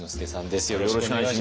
よろしくお願いします。